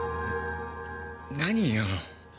何よ？